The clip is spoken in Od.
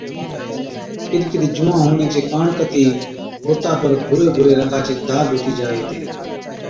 ڪِڏ ڪِڏ جُوئان هُوَڻي چي ڪاڻ ڪتِي بُتا پر ڀُوري ڀُوري رنگا چي داگ هُتِي جائي هِتي